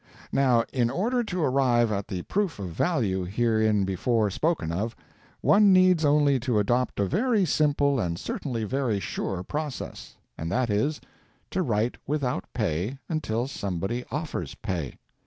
Now, in order to arrive at the proof of value hereinbefore spoken of, one needs only to adopt a very simple and certainly very sure process; and that is, to write without pay until somebody offers pay.